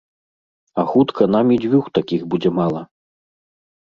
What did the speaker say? А хутка нам і дзвюх такіх будзе мала.